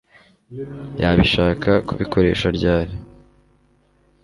yabishaka kubikoresha ryari